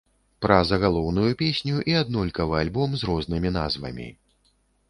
Пра загалоўную песню і аднолькавы альбом з рознымі назвамі.